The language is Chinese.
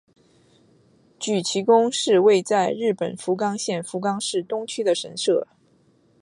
筥崎宫是位在日本福冈县福冈市东区的神社。